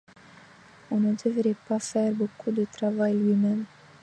Il ne devrait pas faire beaucoup de travail lui-même.